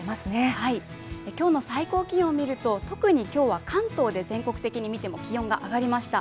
今日の最高気温を見ると特に今日は関東で全国的に見ても気温が上がりました。